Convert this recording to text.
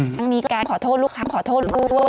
ทั้งนี้แกขอโทษลูกค้าขอโทษลูกด้วย